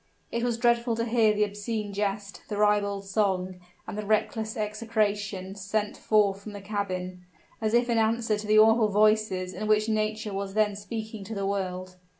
It was dreadful to hear the obscene jest, the ribald song, and the reckless execration, sent forth from the cabin, as if in answer to the awful voices in which Nature was then speaking to the world.